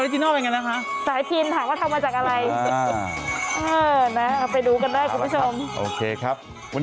ต้องไปดูกันด้วยคุณผู้ชม